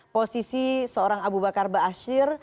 posisi seorang abu bakar baasyir